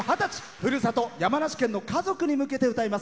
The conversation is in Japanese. ふるさと・山梨県の家族に向けて歌います。